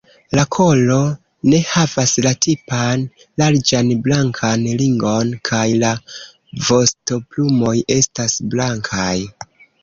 La kolo ne havas la tipan larĝan blankan ringon, kaj la vostoplumoj estas blankaj.